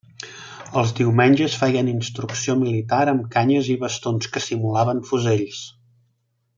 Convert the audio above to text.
Els diumenges feien instrucció militar amb canyes i bastons que simulaven fusells.